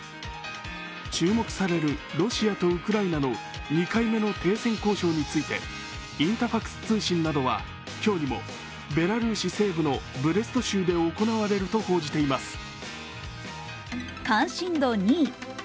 注目されるロシアとウクライナの２回目の停戦交渉についてインタファクス通信などは今日にもベラルーシ西部のブレスト州で行われると報じています。